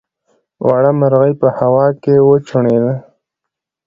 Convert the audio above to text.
وړه مرغۍ په هوا کې وچوڼېده.